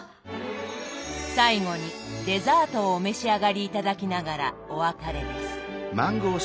最後にデザートをお召し上がり頂きながらお別れです。